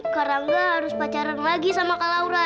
karangga harus pacaran lagi sama kak laura